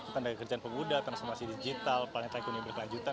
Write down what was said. tentang kerjaan pemuda transformasi digital planetary kuning berkelanjutan